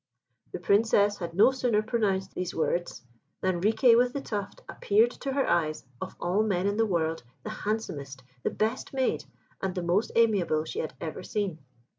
The Princess had no sooner pronounced these words, than Riquet with the Tuft appeared to her eyes, of all men in the world, the handsomest, the best made, and most amiable she had ever seen.